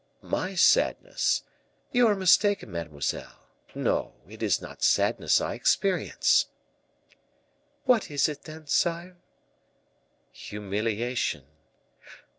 "My sadness? You are mistaken, mademoiselle; no, it is not sadness I experience." "What is it, then, sire?" "Humiliation."